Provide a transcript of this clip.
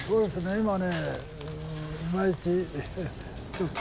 今ね